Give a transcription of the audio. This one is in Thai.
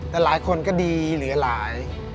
แต่หลายคนก็ดีเหลือหลาย